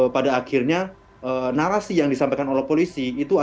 pada akhirnya narasi yang disampaikan oleh polisi itu